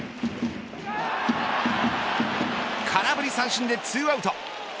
空振り三振で２アウト。